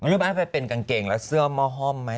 รู้หรือไม่รู้ถ้าเป็นกางเกงแล้วเสื้อม้อฮ่อมไหม